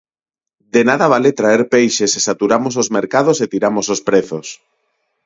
De nada vale traer peixe se saturamos os mercados e tiramos os prezos.